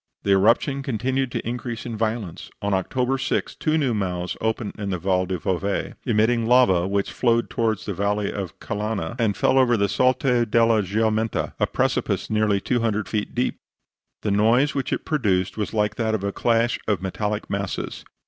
The eruption continued to increase in violence. On October 6 two new mouths opened in the Val del Bove, emitting lava which flowed towards the valley of Calanna, and fell over the Salto della Giumenta, a precipice nearly 200 feet deep. The noise which it produced was like that of a clash of metallic masses.